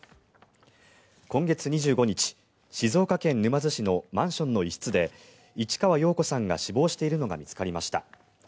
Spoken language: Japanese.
今月２５日、静岡県沼津市のマンションの一室で市川葉子さんが死亡しているのが見つかりました。